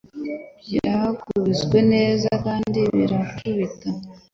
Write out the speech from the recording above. Byakubiswe neza kandi birakubita